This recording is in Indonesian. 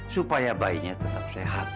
supaya bayinya tetap sehat